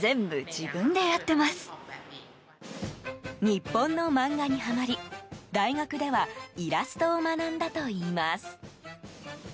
日本の漫画にはまり大学ではイラストを学んだといいます。